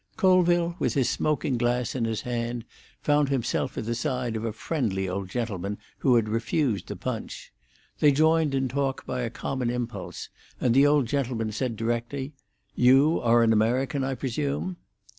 Colville, with his smoking glass in his hand, found himself at the side of a friendly old gentleman who had refused the punch. They joined in talk by a common impulse, and the old gentleman said, directly, "You are an American, I presume?"